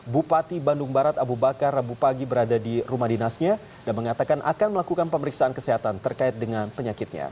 bupati bandung barat abu bakar rabu pagi berada di rumah dinasnya dan mengatakan akan melakukan pemeriksaan kesehatan terkait dengan penyakitnya